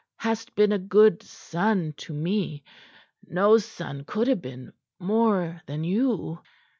Hast been a good son to me no son could have been more than you."